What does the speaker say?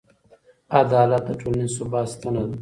عدالت د ټولنیز ثبات ستنه ده.